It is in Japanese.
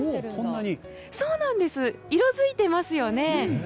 色づいていますよね。